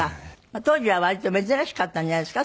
当時は割と珍しかったんじゃないですか？